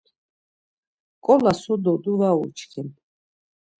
Nǩola so dodu var uçkin.